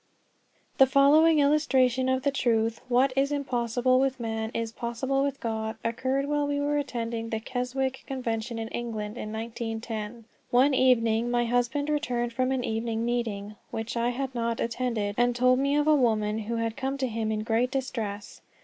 THE following illustration of the truth, "What is impossible with man is possible with God," occurred while we were attending the Keswick Convention in England, in 1910. One evening my husband returned from an evening meeting, which I had not attended, and told me of a woman who had come to him in great distress.